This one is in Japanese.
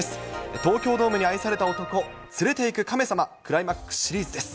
東京ドームに愛された男、連れていく亀様、クライマックスシリーズです。